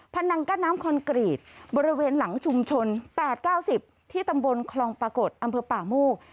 นังกั้นน้ำคอนกรีตบริเวณหลังชุมชน๘๙๐ที่ตำบลคลองปรากฏอำเภอป่าโมก